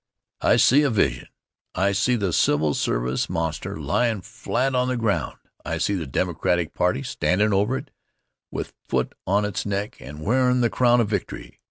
I see a vision. I see the civil service monster lyin' flat on the ground. I see the Democratic party standin' over it with foot on its neck and wearin' the crown of victory.